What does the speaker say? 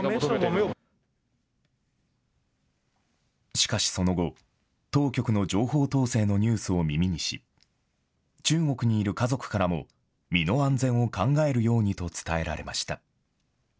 しかし、その後、当局の情報統制のニュースを耳にし、中国にいる家族からも身の安全を考えるようにと伝えられました。